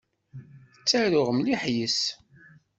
Ttaruɣ mliḥ yes-s.